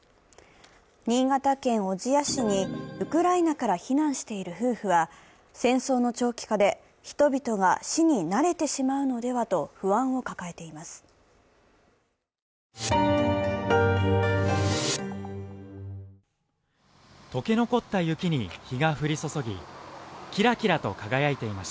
新潟県小千谷市にウクライナから避難している夫婦は戦争の長期化で人々が死に慣れてしまうのではと不安を抱えています。